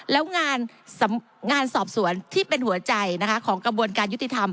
แล้วงานสอบสวนที่เป็นหัวใจของกระบวนการยุติธรรม